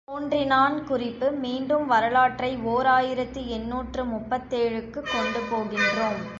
தோன்றினான் குறிப்பு மீண்டும் வரலாற்றை ஓர் ஆயிரத்து எண்ணூற்று முப்பத்தேழு க்குக் கொண்டு போகின்றோம்.